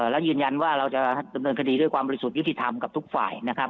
แล้วยืนยันว่าเราจะดำเนินคดีด้วยความบริสุทธิ์ยุติธรรมกับทุกฝ่ายนะครับ